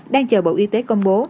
đang chờ bộ y tế công bố